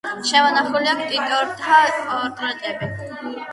შემონახულია ქტიტორთა პორტრეტები.